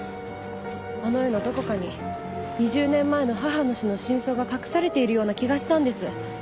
あの絵のどこかに２０年前の母の死の真相が隠されているような気がしたんです。